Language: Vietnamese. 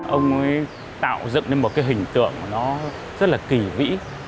ông ấy tạo dựng nên một cái hình tượng nó rất là kỳ vĩ